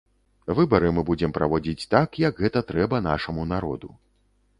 Выбары мы будзем праводзіць так, як гэта трэба нашаму народу.